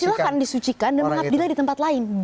silahkan disucikan dan mengabdillah di tempat lain